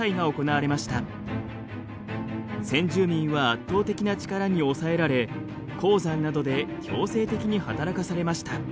先住民は圧倒的な力に押さえられ鉱山などで強制的に働かされました。